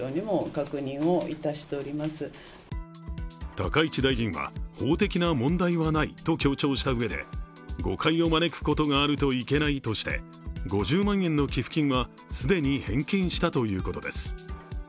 高市大臣は、法的な問題はないと強調したうえで、誤解を招くことがあるといけないとして５０万円の寄付金は既に返金したということです